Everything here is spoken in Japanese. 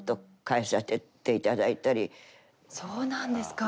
そうなんですか。